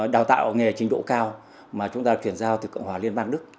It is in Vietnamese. đào tạo nghề trình độ cao mà chúng ta chuyển giao từ cộng hòa liên bang đức